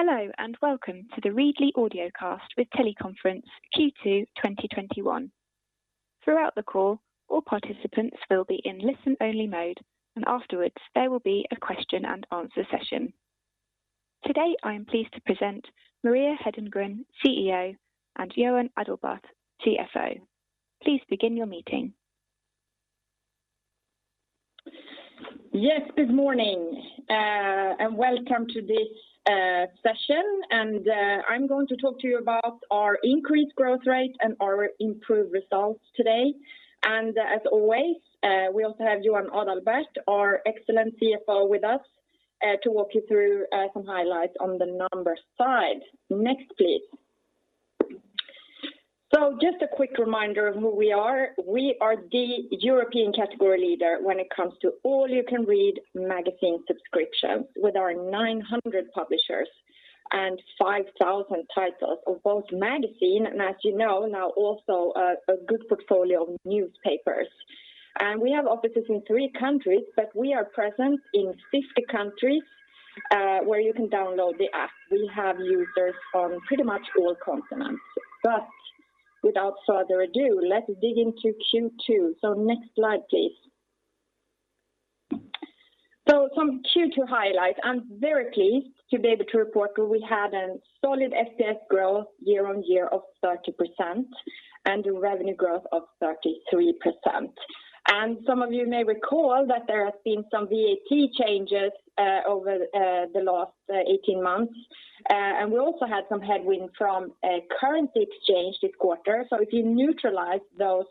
Hello, and welcome to the Readly audiocast with teleconference Q2 2021. Throughout the call, all participants will be in listen-only mode, and afterwards, there will be a question and answer session. Today, I am pleased to present Maria Hedengren, CEO, and Johan Adalberth, CFO. Please begin your meeting. Yes, good morning, and welcome to this session. I'm going to talk to you about our increased growth rate and our improved results today. As always, we also have Johan Adalberth, our excellent CFO, with us to walk you through some highlights on the numbers side. Next, please. Just a quick reminder of who we are. We are the European category leader when it comes to all-you-can-read magazine subscriptions with our 900 publishers and 5,000 titles of both magazine, and as you know, now also a good portfolio of newspapers. We have offices in three countries, but we are present in 50 countries, where you can download the app. We have users on pretty much all continents. Without further ado, let's dig into Q2. Next slide, please. Some Q2 highlights. I'm very pleased to be able to report that we had a solid FPS growth year-on-year of 30% and a revenue growth of 33%. Some of you may recall that there have been some VAT changes over the last 18 months, and we also had some headwind from a currency exchange this quarter. If you neutralize those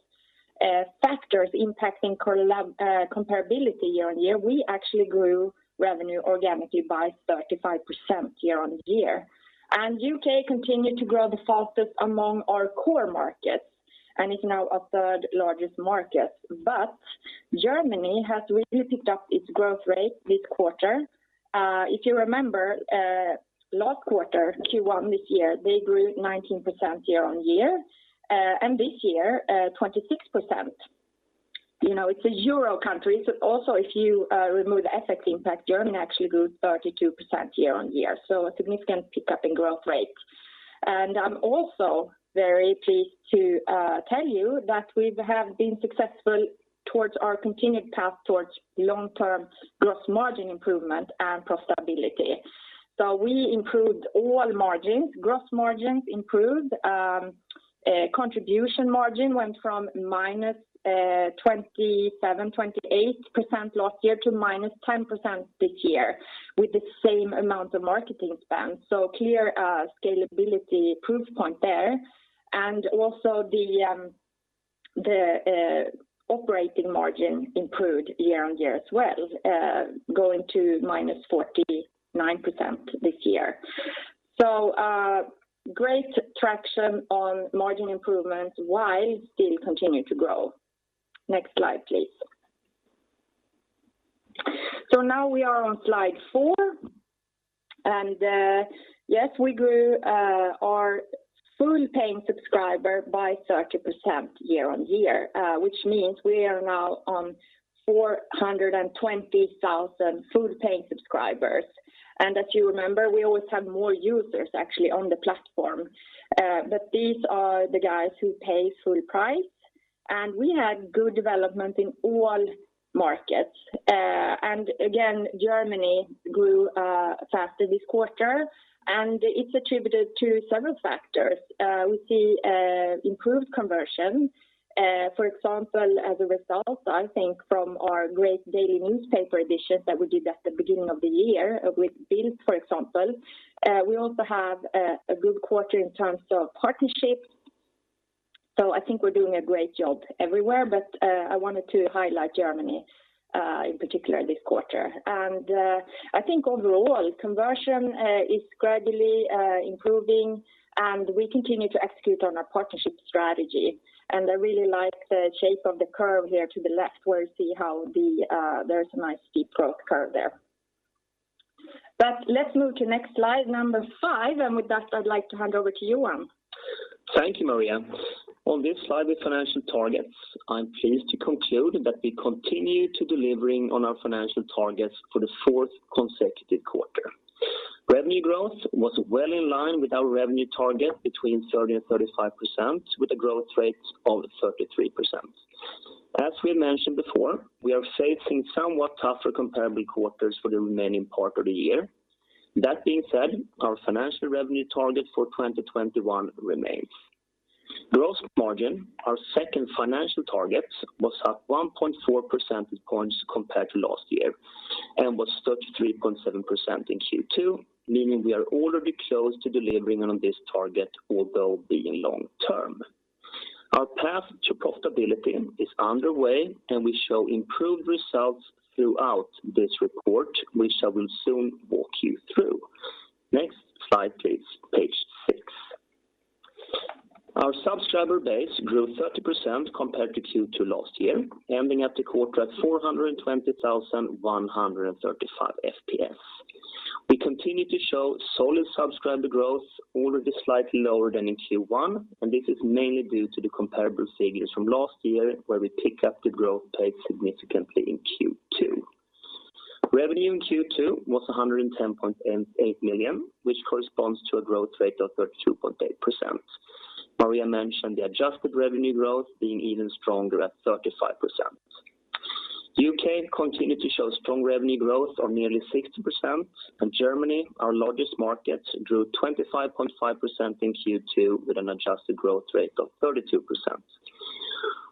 factors impacting comparability year-on-year, we actually grew revenue organically by 35% year-on-year. U.K. continued to grow the fastest among our core markets and is now our third largest market. Germany has really picked up its growth rate this quarter. If you remember, last quarter, Q1 this year, they grew 19% year-on-year, and this year, 26%. It's a euro country, so also if you remove the FX impact, Germany actually grew 32% year-on-year, so a significant pickup in growth rate. I'm also very pleased to tell you that we have been successful towards our continued path towards long-term gross margin improvement and profitability. I improved all margins. Gross margins improved. Contribution margin went from -27, 28% last year to -10% this year with the same amount of marketing spend. Clear scalability proof point there. Also the operating margin improved year-on-year as well, going to -49% this year. Great traction on margin improvements while still continuing to grow. Next slide, please. Now we are on slide four. Yes, we grew our Full-Paying Subscriber by 30% year-on-year, which means we are now on 420,000 Full-Paying Subscribers. As you remember, we always have more users actually on the platform. These are the guys who pay full price. We had good development in all markets. Germany grew faster this quarter, and it's attributed to several factors. We see improved conversion. For example, as a result, I think from our great daily newspaper editions that we did at the beginning of the year with Bild, for example. We also have a good quarter in terms of partnerships. I think we're doing a great job everywhere, but I wanted to highlight Germany in particular this quarter. I think overall, conversion is gradually improving, and we continue to execute on our partnership strategy. I really like the shape of the curve here to the left where you see how there's a nice steep growth curve there. Let's move to next slide, number five, and with that, I'd like to hand over to Johan. Thank you, Maria. On this slide with financial targets, I'm pleased to conclude that we continue to delivering on our financial targets for the fourth consecutive quarter. Revenue growth was well in line with our revenue target between 30% and 35%, with a growth rate of 33%. As we mentioned before, we are facing somewhat tougher comparable quarters for the remaining part of the year. That being said, our financial revenue target for 2021 remains. Gross margin, our second financial target, was up 1.4 percentage points compared to last year and was 33.7% in Q2, meaning we are already close to delivering on this target, although being long term. Our path to profitability is underway, and we show improved results throughout this report, which I will soon walk you through. Next slide, please. Page six. Our subscriber base grew 30% compared to Q2 last year, ending at the quarter at 420,135 FPS. We continue to show solid subscriber growth, already slightly lower than in Q1. This is mainly due to the comparable figures from last year, where we picked up the growth pace significantly in Q2. Revenue in Q2 was 110.8 million, which corresponds to a growth rate of 32.8%. Maria mentioned the adjusted revenue growth being even stronger at 35%. U.K. continued to show strong revenue growth of nearly 60%. Germany, our largest market, grew 25.5% in Q2 with an adjusted growth rate of 32%.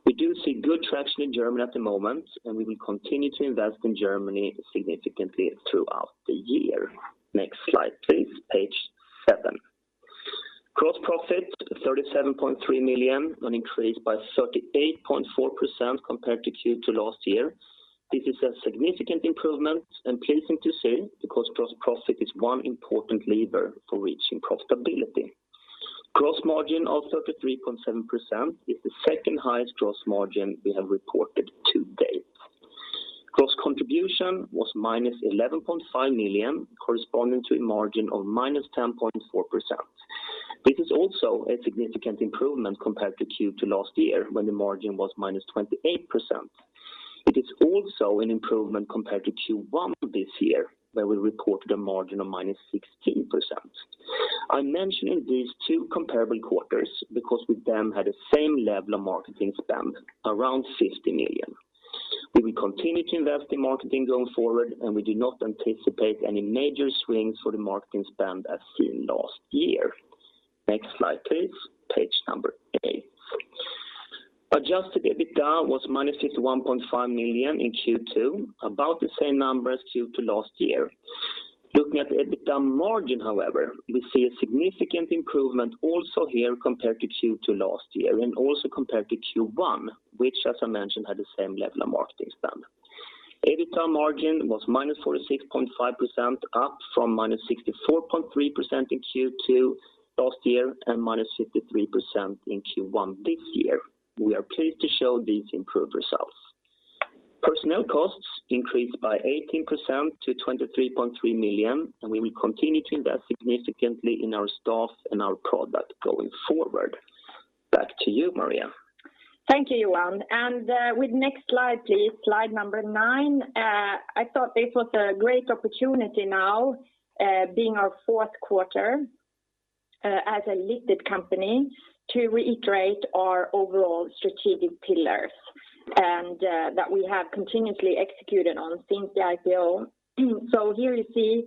We do see good traction in Germany at the moment. We will continue to invest in Germany significantly throughout the year. Next slide, please. Page seven. Gross profit 37.3 million, an increase by 38.4% compared to Q2 last year. This is a significant improvement and pleasing to see because gross profit is one important lever for reaching profitability. Gross margin of 33.7% is the second highest gross margin we have reported to date. Gross contribution was -11.5 million, corresponding to a margin of -10.4%. This is also a significant improvement compared to Q2 last year, when the margin was -28%. It is also an improvement compared to Q1 this year, where we reported a margin of -16%. I'm mentioning these two comparable quarters because we then had the same level of marketing spend, around 50 million. We will continue to invest in marketing going forward, and we do not anticipate any major swings for the marketing spend as seen last year. Next slide, please. Page number eight. Adjusted EBITDA was -51.5 million in Q2, about the same number as Q2 last year. Looking at the EBITDA margin, however, we see a significant improvement also here compared to Q2 last year and also compared to Q1, which, as I mentioned, had the same level of marketing spend. EBITDA margin was -46.5%, up from -64.3% in Q2 last year and -53% in Q1 this year. We are pleased to show these improved results. Personnel costs increased by 18% to 23.3 million, and we will continue to invest significantly in our staff and our product going forward. Back to you, Maria. Thank you, Johan, next slide, please, slide number nine. I thought this was a great opportunity now, being our Q4 as a listed company, to reiterate our overall strategic pillars that we have continuously executed on since the IPO. Here you see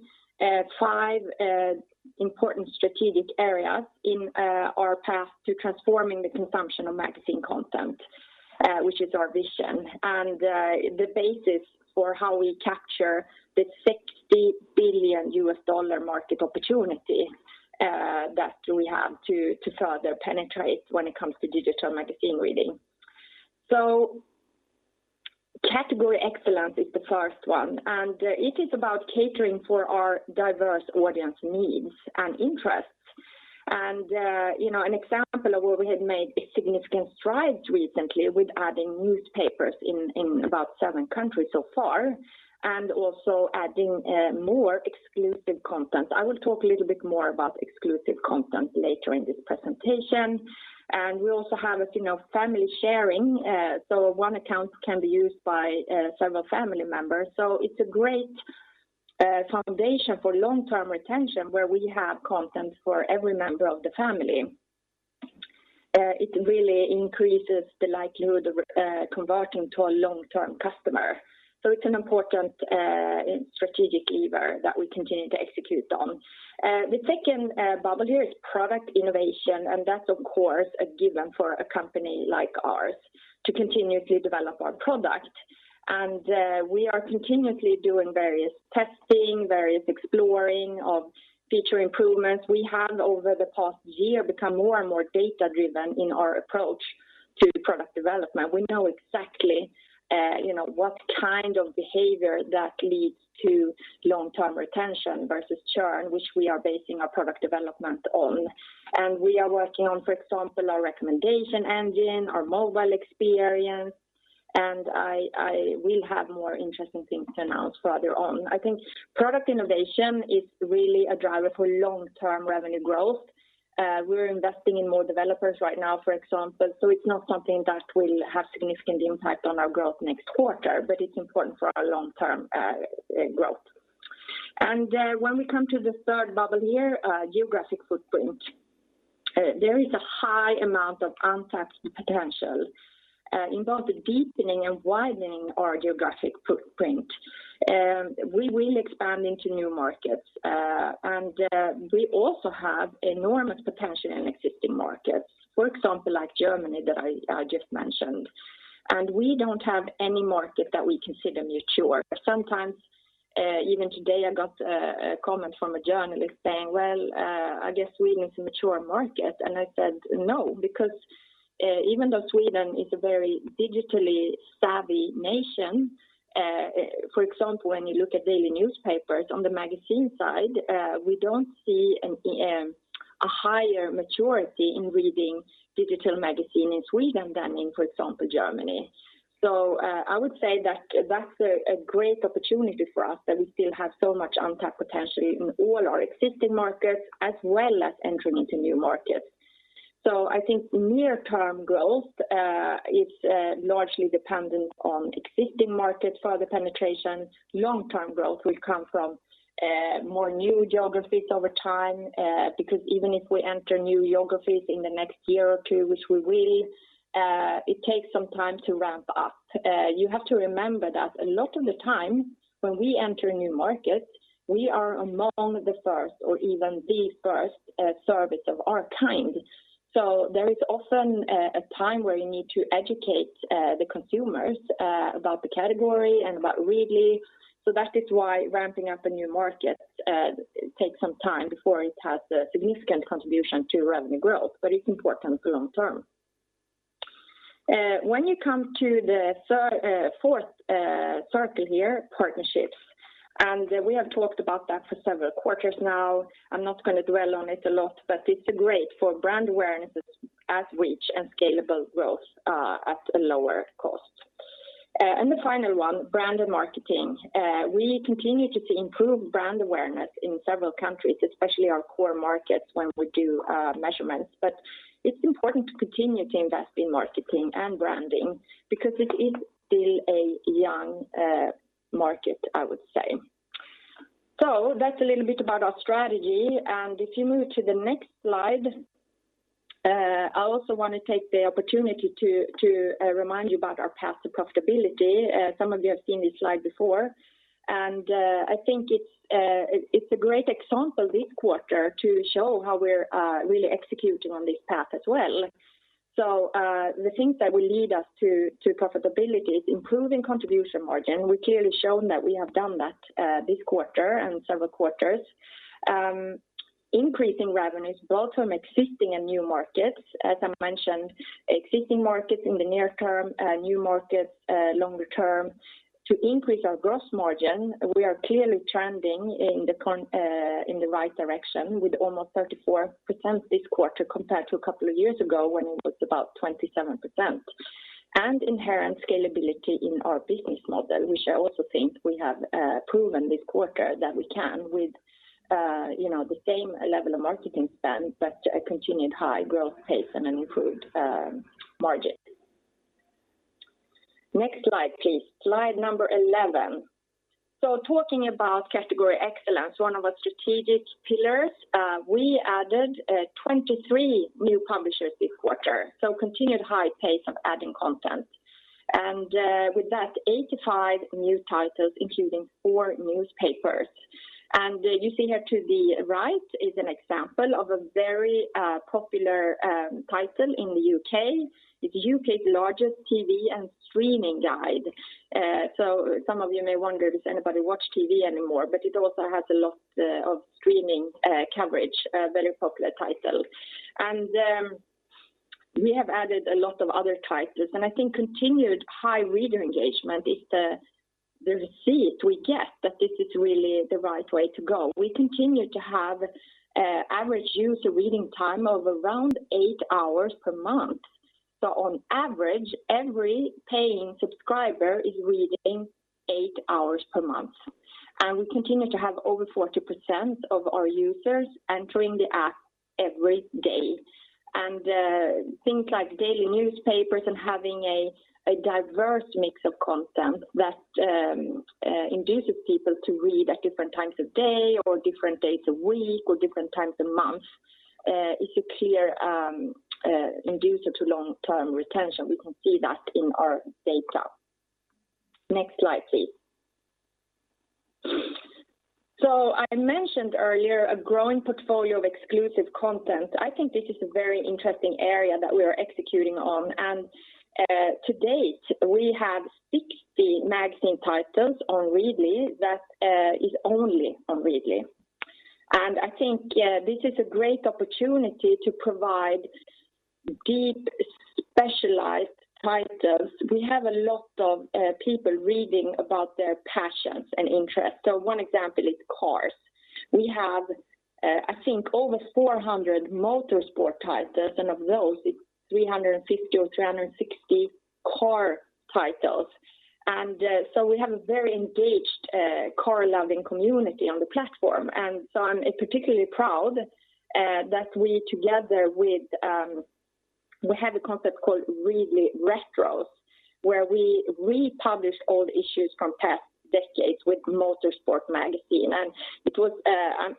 five important strategic areas in our path to transforming the consumption of magazine content, which is our vision and the basis for how we capture the $60 billion market opportunity that we have to further penetrate when it comes to digital magazine reading. Category excellence is the first one, and it is about catering for our diverse audience needs and interests. An example of where we have made significant strides recently with adding newspapers in about seven countries so far, and also adding more exclusive content. I will talk a little bit more about exclusive content later in this presentation. We also have family sharing, so one account can be used by several family members. It's a great foundation for long-term retention where we have content for every member of the family. It really increases the likelihood of converting to a long-term customer. It's an important strategic lever that we continue to execute on. The second bubble here is product innovation, and that's, of course, a given for a company like ours to continue to develop our product. We are continuously doing various testing, various exploring of feature improvements. We have, over the past year, become more and more data-driven in our approach to product development. We know exactly what kind of behavior that leads to long-term retention versus churn, which we are basing our product development on. We are working on, for example, our recommendation engine, our mobile experience, and I will have more interesting things to announce further on. I think product innovation is really a driver for long-term revenue growth. We're investing in more developers right now, for example, so it's not something that will have significant impact on our growth next quarter, but it's important for our long-term growth. When we come to the third bubble here, geographic footprint. There is a high amount of untapped potential in both the deepening and widening our geographic footprint. We will expand into new markets, and we also have enormous potential in existing markets, for example, like Germany that I just mentioned. We don't have any market that we consider mature. Sometimes, even today, I got a comment from a journalist saying, "Well, I guess Sweden is a mature market." I said, "No," because even though Sweden is a very digitally savvy nation, for example, when you look at daily newspapers on the magazine side, we don't see a higher maturity in reading digital magazine in Sweden than in, for example, Germany. I would say that that's a great opportunity for us that we still have so much untapped potential in all our existing markets, as well as entering into new markets. I think near-term growth is largely dependent on existing markets for other penetrations. Long-term growth will come from more new geographies over time, because even if we enter new geographies in the next year or two, which we will, it takes some time to ramp up. You have to remember that a lot of the time when we enter new markets, we are among the first or even the first service of our kind. There is often a time where you need to educate the consumers about the category and about Readly. That is why ramping up a new market takes some time before it has a significant contribution to revenue growth. It's important for the long term. When you come to the fourth circle here, partnerships, and we have talked about that for several quarters now. I'm not going to dwell on it a lot, but it's great for brand awareness as reach and scalable growth at a lower cost. The final one, brand and marketing. We continue to see improved brand awareness in several countries, especially our core markets, when we do measurements. It's important to continue to invest in marketing and branding because it is still a young market, I would say. That's a little bit about our strategy. If you move to the next slide, I also want to take the opportunity to remind you about our path to profitability. Some of you have seen this slide before, and I think it's a great example this quarter to show how we're really executing on this path as well. The things that will lead us to profitability is improving contribution margin. We've clearly shown that we have done that this quarter and several quarters. Increasing revenues both from existing and new markets. As I mentioned, existing markets in the near term, new markets longer term. To increase our gross margin, we are clearly trending in the right direction with almost 34% this quarter compared to a couple of years ago when it was about 27%. Inherent scalability in our business model, which I also think we have proven this quarter that we can with the same level of marketing spend, but a continued high growth pace and an improved margin. Next slide, please. Slide number 11. Talking about category excellence, one of our strategic pillars, we added 23 new publishers this quarter, so continued high pace of adding content. With that, 85 new titles, including four newspapers. You see here to the right is an example of a very popular title in the U.K. It's the U.K.'s largest TV and streaming guide. Some of you may wonder, does anybody watch TV anymore, but it also has a lot of streaming coverage, a very popular title. We have added a lot of other titles, and I think continued high reader engagement is the recipe we get that this is really the right way to go. We continue to have average user reading time of around eight hours per month. On average, every paying subscriber is reading eight hours per month. We continue to have over 40% of our users entering the app every day. Things like daily newspapers and having a diverse mix of content that induces people to read at different times of day or different days of week or different times of month, is a clear inducer to long-term retention. We can see that in our data. Next slide, please. I mentioned earlier a growing portfolio of exclusive content. I think this is a very interesting area that we are executing on. To date, we have 60 magazine titles on Readly that is only on Readly. I think this is a great opportunity to provide deep, specialized titles. We have a lot of people reading about their passions and interests. One example is cars. We have, I think, over 400 motorsport titles, and of those, it's 350 or 360 car titles. We have a very engaged car-loving community on the platform. I'm particularly proud that we have a concept called Readly Retros, where we republish old issues from past decades with Motor Sport magazine.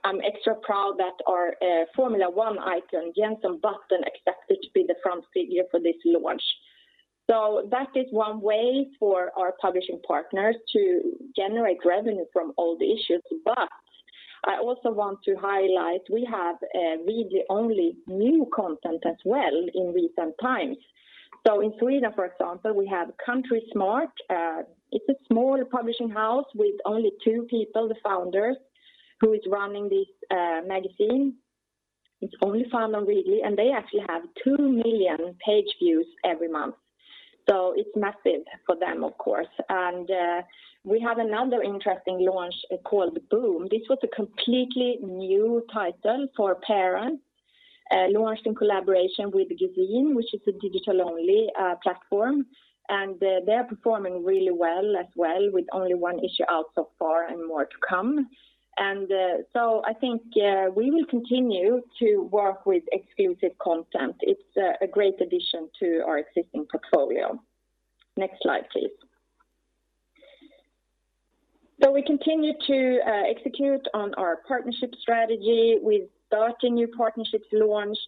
I'm extra proud that our Formula 1 icon, Jenson Button, accepted to be the front figure for this launch. That is one way for our publishing partners to generate revenue from old issues. I also want to highlight, we have Readly-only new content as well in recent times. In Sweden, for example, we have Country Smart. It's a small publishing house with only two people, the founders, who are running this magazine. It's only found on Readly, and they actually have two million page views every month. It's massive for them, of course. We have another interesting launch called Boom. This was a completely new title for parents, launched in collaboration with Gezin, which is a digital-only platform, and they are performing really well as well with only one issue out so far and more to come. I think we will continue to work with exclusive content. It's a great addition to our existing portfolio. Next slide, please. We continue to execute on our partnership strategy with 13 new partnerships launched.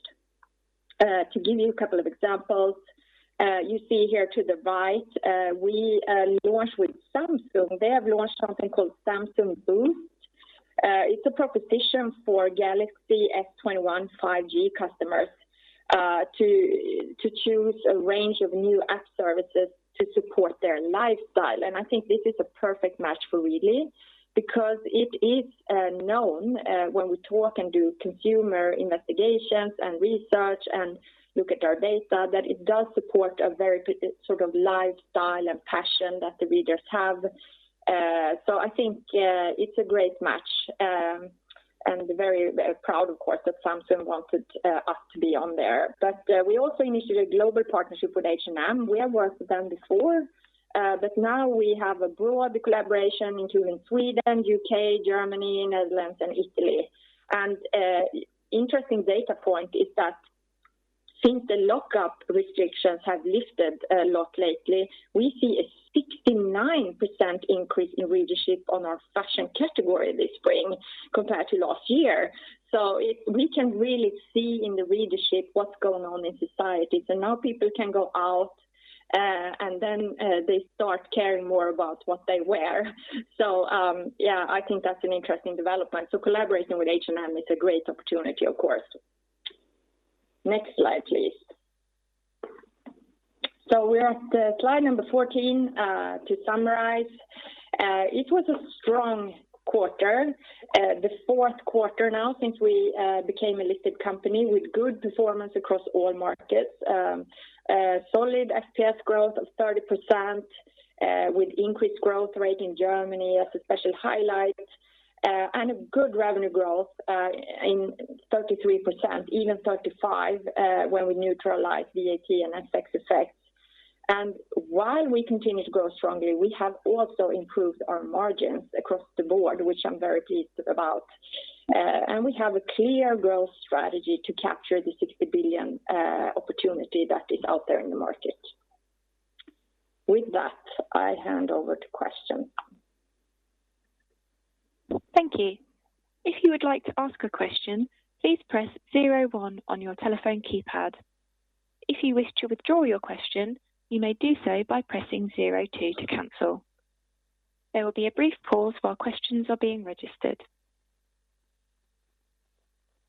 To give you a couple of examples, you see here to the right we launched with Samsung. They have launched something called Samsung Boost. It's a proposition for Galaxy S21 5G customers to choose a range of new app services to support their lifestyle. I think this is a perfect match for Readly because it is known when we talk and do consumer investigations and research and look at our data, that it does support a very good lifestyle and passion that the readers have. I think it's a great match, and very proud, of course, that Samsung wanted us to be on there. We also initiated a global partnership with H&M. We have worked with them before, but now we have a broad collaboration including Sweden, U.K., Germany, Netherlands and Italy. Interesting data point is that since the lockup restrictions have lifted a lot lately, we see a 69% increase in readership on our fashion category this spring compared to last year. We can really see in the readership what's going on in society. Now people can go out, and then they start caring more about what they wear. Yeah, I think that's an interesting development. Collaborating with H&M is a great opportunity, of course. Next slide, please. We're at slide number 14. To summarize, it was a strong quarter. The Q4 now since we became a listed company with good performance across all markets. Solid FPS growth of 30%, with increased growth rate in Germany as a special highlight, and a good revenue growth in 33%, even 35%, when we neutralize VAT and FX effects. While we continue to grow strongly, we have also improved our margins across the board, which I'm very pleased about. We have a clear growth strategy to capture the $60 billion opportunity that is out there in the market. With that, I hand over to questions. Thank you.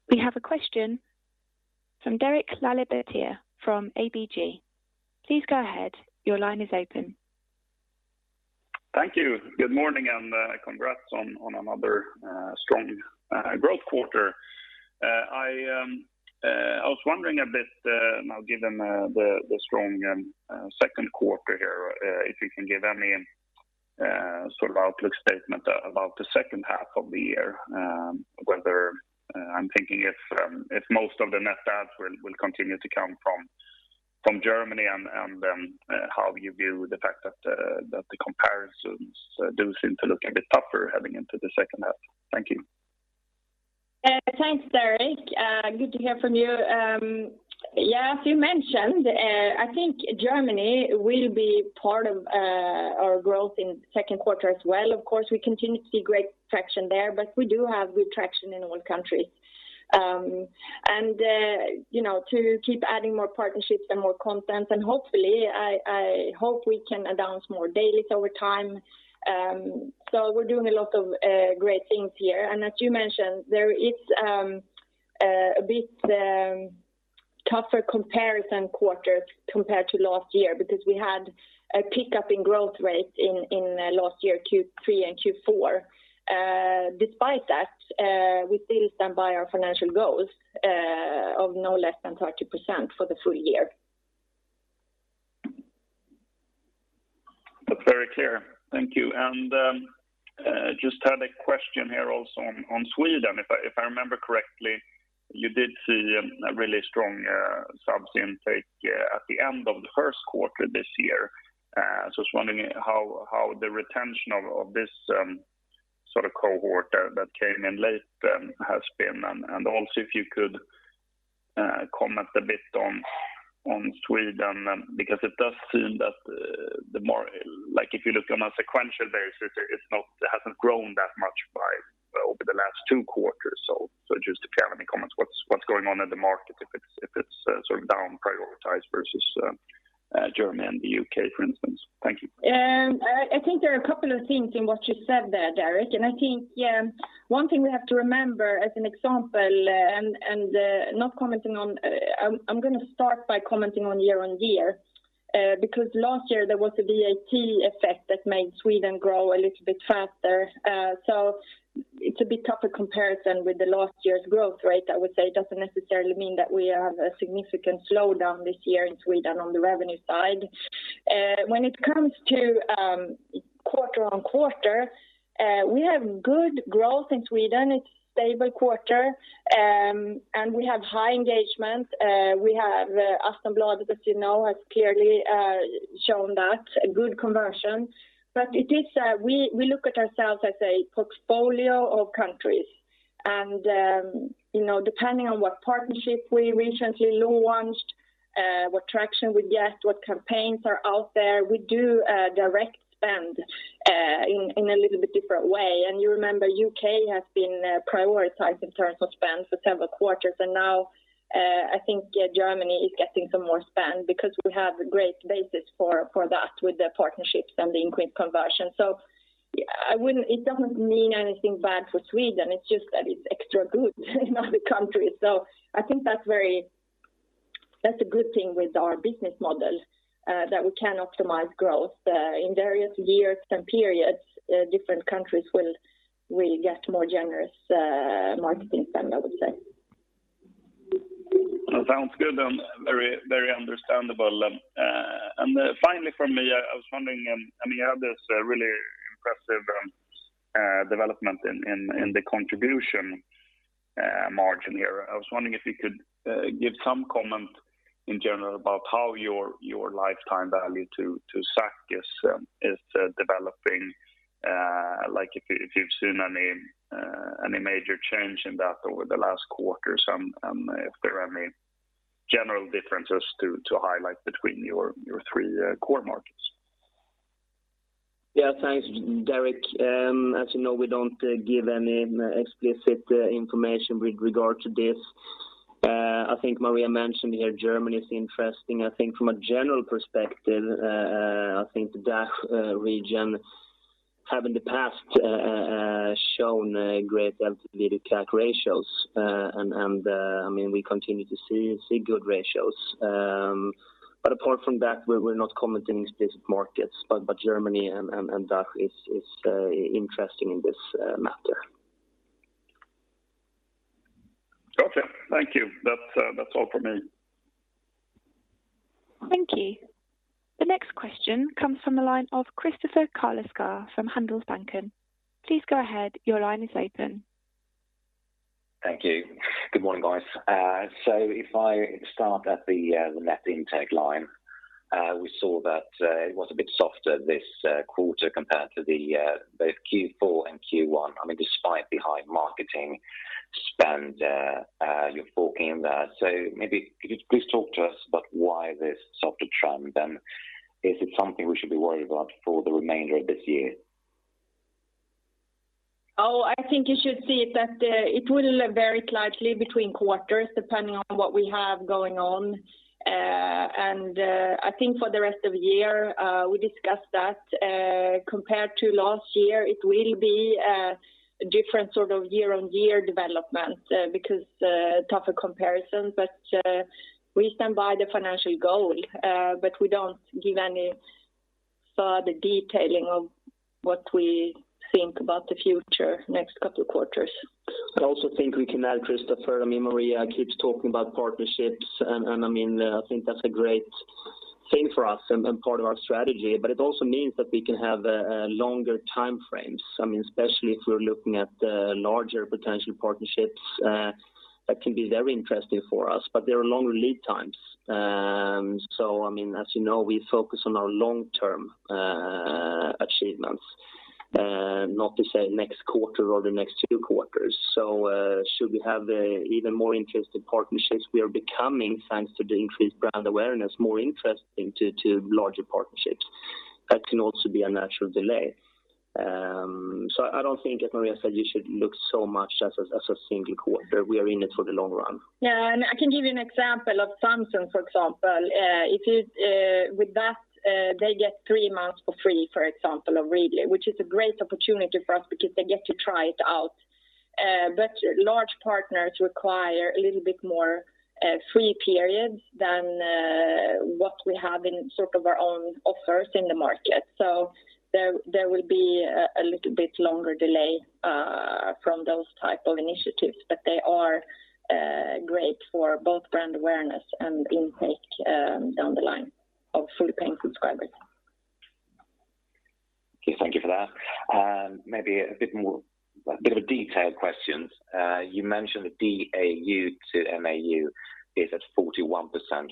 We have a question from Derek Laliberté from ABG. Please go ahead. Your line is open. Thank you. Good morning. Congrats on another strong growth quarter. I was wondering a bit now, given the strong Q2 here, if you can give any sort of outlook statement about the H2 of the year. I'm thinking if most of the net adds will continue to come from Germany and then how you view the fact that the comparisons do seem to look a bit tougher heading into the H2. Thank you. Thanks, Derek. Good to hear from you. Yeah, as you mentioned, I think Germany will be part of our growth in the Q2 as well. Of course, we continue to see great traction there, but we do have good traction in all countries. To keep adding more partnerships and more content, and hopefully, I hope we can announce more dailies over time. We're doing a lot of great things here. As you mentioned, there is a bit tougher comparison quarters compared to last year because we had a pickup in growth rate in last year, Q3 and Q4. Despite that, we still stand by our financial goals of no less than 30% for the full year. That's very clear. Thank you. Just had a question here also on Sweden. If I remember correctly, you did see a really strong subs intake at the end of the Q1 this year. I was wondering how the retention of this sort of cohort that came in late has been. Also if you could comment a bit on Sweden, because it does seem that if you look on a sequential basis, it hasn't grown that much over the last two quarters. Just if you have any comments, what's going on in the market, if it's sort of down prioritized versus Germany and the U.K., for instance. Thank you. I think there are a couple of things in what you said there, Derek. I think, yeah, one thing we have to remember as an example, I'm going to start by commenting on year-over-year, because last year there was a VAT effect that made Sweden grow a little bit faster. It's a bit tougher comparison with the last year's growth rate, I would say. It doesn't necessarily mean that we have a significant slowdown this year in Sweden on the revenue side. When it comes to quarter-over-quarter, we have good growth in Sweden. It's stable quarter. We have high engagement. We have Aftonbladet, as you know, has clearly shown that. Good conversion. We look at ourselves as a portfolio of countries. Depending on what partnership we recently launched, what traction we get, what campaigns are out there, we do direct spend in a little bit different way. You remember, U.K. has been prioritized in terms of spend for several quarters. Now I think Germany is getting some more spend because we have a great basis for that with the partnerships and the increased conversion. It doesn't mean anything bad for Sweden, it's just that it's extra good in other countries. I think that's a good thing with our business model that we can optimize growth. In various years and periods, different countries will get more generous marketing spend, I would say. That sounds good and very understandable. Finally from me, I was wondering, you have this really impressive development in the contribution margin here. I was wondering if you could give some comment in general about how your lifetime value to CAC is developing. Like if you've seen any major change in that over the last quarter, and if there are any general differences to highlight between your three core markets. Yeah. Thanks, Derek. As you know, we don't give any explicit information with regard to this. I think Maria mentioned here Germany is interesting. I think from a general perspective, I think the DACH region have in the past shown great LTV to CAC ratios, and we continue to see good ratios. Apart from that, we're not commenting specific markets. Germany and DACH is interesting in this matter. Okay. Thank you. That's all from me. Thank you. The next question comes from the line of Kristoffer Carleskär from Handelsbanken. Please go ahead. Your line is open. Thank you. Good morning, guys. If I start at the net intake line, we saw that it was a bit softer this quarter compared to both Q4 and Q1, despite the high marketing spend you're booking there. Maybe could you please talk to us about why this softer trend, and is it something we should be worried about for the remainder of this year? Oh, I think you should see it that it will vary slightly between quarters depending on what we have going on. I think for the rest of the year, we discussed that compared to last year, it will be a different sort of year-on-year development because tougher comparisons. We stand by the financial goal, but we don't give any further detailing of what we think about the future next couple of quarters. I also think we can add, Kristoffer, Maria keeps talking about partnerships, and I think that's a great thing for us and part of our strategy. It also means that we can have longer time frames, especially if we're looking at larger potential partnerships that can be very interesting for us. There are longer lead times. As you know, we focus on our long-term achievements, not to say next quarter or the next two quarters. Should we have even more interesting partnerships, we are becoming, thanks to the increased brand awareness, more interesting to larger partnerships. That can also be a natural delay. I don't think, as Maria Hedengren said, you should look so much as a single quarter. We are in it for the long run. Yeah, I can give you an example of Samsung, for example. With that, they get three months for free, for example, of Readly, which is a great opportunity for us because they get to try it out. Large partners require a little bit more free periods than what we have in our own offers in the market. There will be a little bit longer delay from those type of initiatives. They are great for both brand awareness and intake down the line of Full-Paying Subscribers. Okay. Thank you for that. Maybe a bit of a detailed question. You mentioned DAU to MAU is at 41%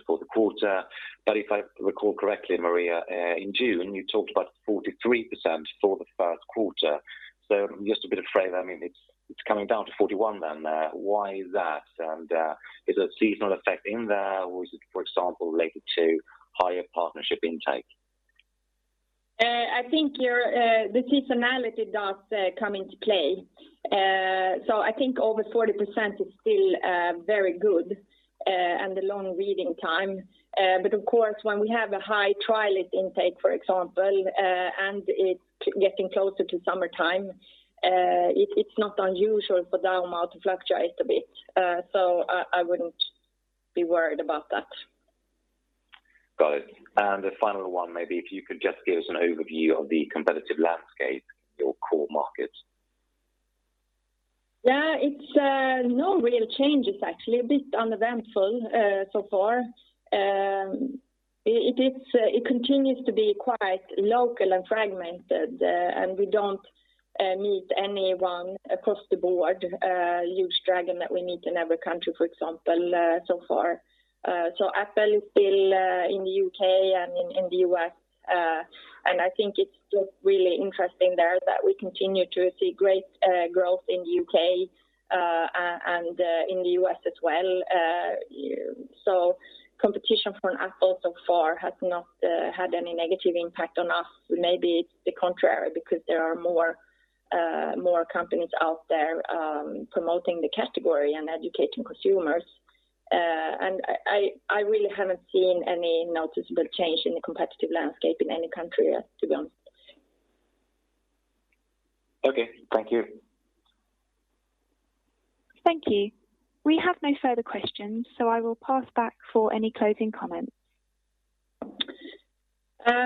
for the quarter. If I recall correctly, Maria, in June you talked about 43% for the Q1. Just to be clear, it's coming down to 41 then there. Why is that? Is there a seasonal effect in there, or is it, for example, related to higher partnership intake? I think the seasonality does come into play. I think over 40% is still very good and a long reading time. Of course, when we have a high trial intake, for example, and it getting closer to summertime, it's not unusual for that amount to fluctuate a bit. I wouldn't be worried about that. Got it. A final one, maybe if you could just give us an overview of the competitive landscape in your core markets. Yeah, it's no real changes, actually. A bit uneventful so far. It continues to be quite local and fragmented, and we don't meet anyone across the board, a huge dragon that we meet in every country, for example, so far. Apple is still in the U.K. and in the U.S., and I think it's still really interesting there that we continue to see great growth in the U.K. and in the U.S. as well. Competition from Apple so far has not had any negative impact on us. Maybe the contrary, because there are more companies out there promoting the category and educating consumers. I really haven't seen any noticeable change in the competitive landscape in any country as to be honest. Okay. Thank you. Thank you. We have no further questions, so I will pass back for any closing comments.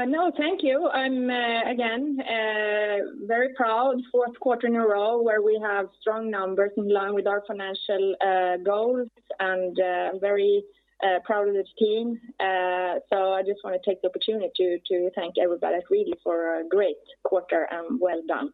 No, thank you. Again, very proud. Q4 in a row where we have strong numbers in line with our financial goals, and I'm very proud of this team. I just want to take the opportunity to thank everybody at Readly for a great quarter and well done.